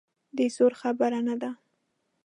د زور خبره نه ده.